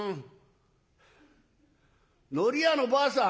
のり屋のばあさん